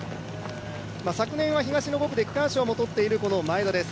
昨年は東の５区で区間賞も取っている前田です。